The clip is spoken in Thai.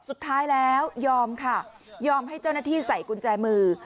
สุดท้ายแล้วยอมค่ะยอมให้เจ้าหน้าที่ใส่กุญแจมือ